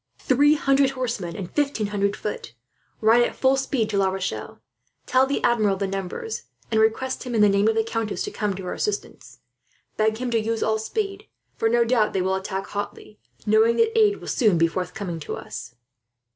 "Three hundred horsemen and fifteen hundred foot! Ride at full speed to La Rochelle. Tell the Admiral the numbers, and request him, in the name of the countess, to come to her assistance. Beg him to use all speed, for no doubt they will attack hotly, knowing that aid will soon be forthcoming to us."